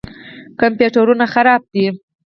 کمپیوټرونه خراب دي.